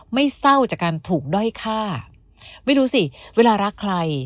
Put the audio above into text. ไม่เศร้าจากการถูกด้อยฆ่าไม่รู้สิเวลารักใคร